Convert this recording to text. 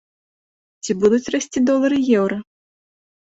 Ці будуць расці долар і еўра?